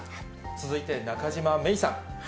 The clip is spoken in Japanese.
続いて中島芽生さん。